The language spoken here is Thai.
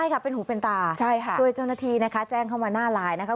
ใช่ค่ะเป็นหูเป็นตาใช่ค่ะช่วยเจ้าหน้าที่นะคะแจ้งเข้ามาหน้าไลน์นะคะ